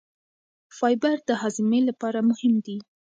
فایبر د هاضمې لپاره مهم دی.